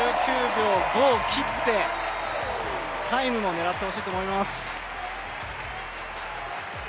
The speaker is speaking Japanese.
１９秒５を切ってタイムも狙って欲しいと思います。